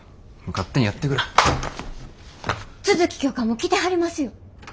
都築教官も来てはりますよ。